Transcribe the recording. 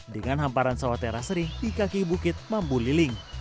dengan hamparan sawah teras seri di kaki bukit mambu liling